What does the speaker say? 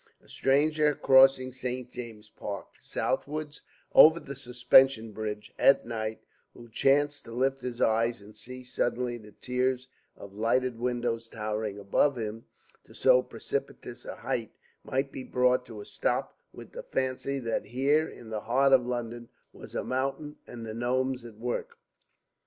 A stranger crossing St. James's Park southwards, over the suspension bridge, at night, who chanced to lift his eyes and see suddenly the tiers of lighted windows towering above him to so precipitous a height, might be brought to a stop with the fancy that here in the heart of London was a mountain and the gnomes at work.